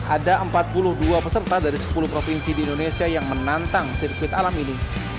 ada empat puluh dua peserta dari sepuluh provinsi di indonesia yang menantang sirkuit alam ini